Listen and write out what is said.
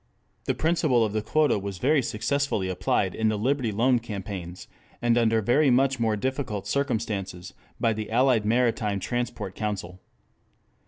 The principle of the quota was very successfully applied in the Liberty Loan Campaigns, and under very much more difficult circumstances by the Allied Maritime Transport Council.